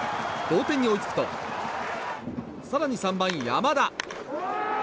同点に追いつくと更に３番、山田。